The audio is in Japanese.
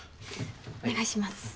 お願いします。